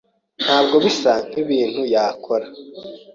Ntabwo bisa nkibintu yakora.